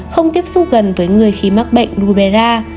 không tiếp xúc gần với người khi mắc bệnh rubelra